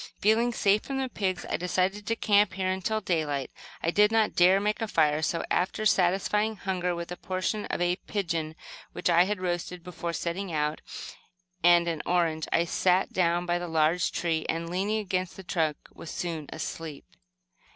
Feeling safe from the pigs, I decided to camp here until daylight. I did not dare make a fire, so, after satisfying hunger with a portion of a pigeon which I had roasted before setting out, and an orange, I sat down by a large tree and, leaning against the trunk, was soon asleep.